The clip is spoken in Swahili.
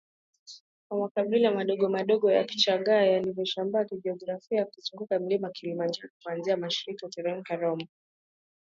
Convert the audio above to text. wa makabila madogomadogo ya Kichagga yaliyosambaa kijiografia kuzunguka mlima Kilimanjaro kuanzia mashariki Tarakea Rombo